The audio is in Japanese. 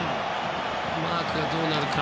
マークがどうなるか。